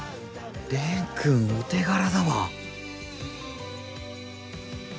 蓮君、お手柄だわ。